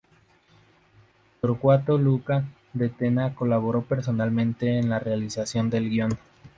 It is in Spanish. Torcuato Luca de Tena colaboró personalmente en la realización del guion.